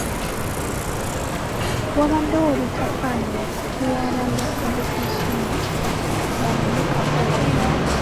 Wabaddewo obutakkaanya wakati wa ba Local Defence Unit bano ne Kagolo.